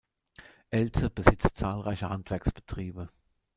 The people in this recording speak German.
Elze besitzt zahlreiche Handwerksbetriebe.